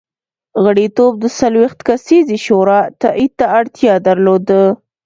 غړیتوب د څلوېښت کسیزې شورا تایید ته اړتیا درلوده.